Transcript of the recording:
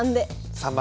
３番。